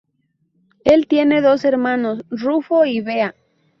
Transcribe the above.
Él tiene dos hermanos, Rufo y Bea.